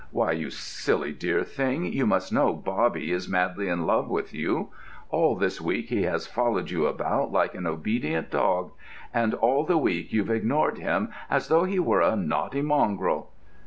Why, you silly dear thing, you must know Bobby is madly in love with you. All this week he has followed you about like an obedient dog, and all the week you've ignored him as though he were a naughty mongrel!"